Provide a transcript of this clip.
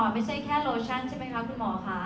ไม่ใช่แค่โลชั่นใช่ไหมคะคุณหมอค่ะ